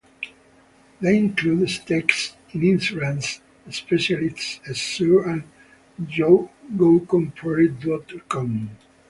They include stakes in insurance specialists esure and Gocompare dot com.